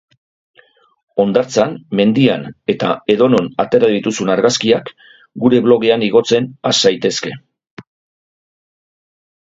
Hondartzan, mendian eta edonon atera dituzun argazkiak gure blogean igotzen has zaitezke.